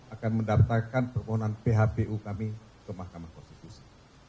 akan mendaftarkan permohonan phpu kami ke mahkamah konstitusi